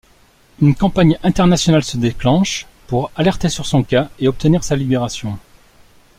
Une campagne internationale se déclenche pour alerter sur son cas et obtenir sa libération.